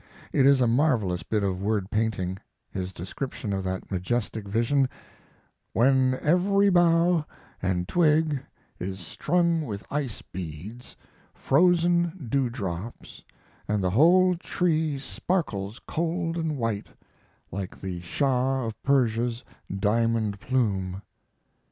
It is a marvelous bit of word painting his description of that majestic vision: "When every bough and twig is strung with ice beads, frozen dewdrops, and the whole tree sparkles cold and white, like the Shah of Persia's diamond plume."